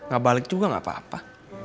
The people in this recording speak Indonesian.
gak balik juga gak apa apa